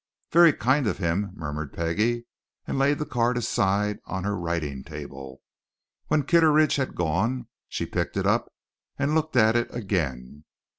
"Very kind of him," murmured Peggie, and laid the card aside on her writing table. When Kitteridge had gone she picked it up and looked at it again.